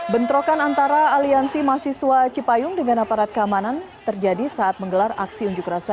bentrokan antara aliansi mahasiswa cipayung dengan aparat keamanan terjadi saat menggelar aksi unjuk rasa